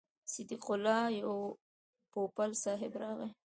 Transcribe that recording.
صدیق الله پوپل صاحب راغی.